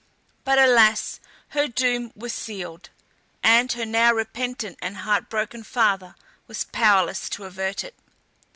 But alas! her doom was sealed, and her now repentant and heart broken father was powerless to avert it.